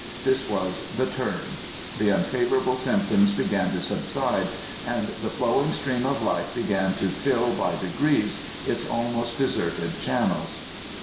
This was the "turn." The unfavourable symptoms began to subside, and the flowing stream of life began to fill by degrees its almost deserted channels.